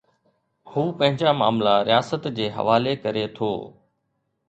هو پنهنجا معاملا رياست جي حوالي ڪري ٿو.